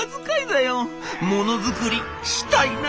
ものづくりしたいな。